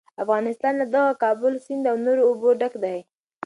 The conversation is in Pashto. افغانستان له دغه کابل سیند او نورو اوبو ډک دی.